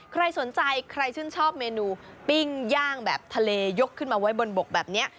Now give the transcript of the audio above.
ใครสนใจใครชื่นชอบเมนูปิ้งย่างแบบทะเลยกขึ้นมาไว้บนบกแบบนี้